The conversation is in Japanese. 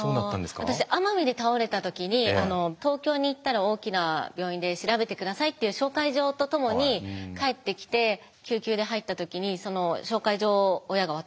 私奄美で倒れた時に東京に行ったら大きな病院で調べて下さいっていう紹介状と共に帰ってきて救急で入った時にその紹介状を親が渡したんですね。